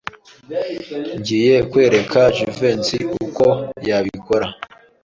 Ngiye kwereka Jivency uko yabikora.